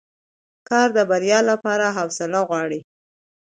کار د بریا لپاره حوصله غواړي